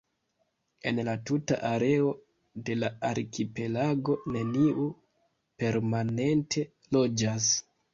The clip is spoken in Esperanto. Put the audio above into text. En la tuta areo de la arkipelago neniu permanente loĝas.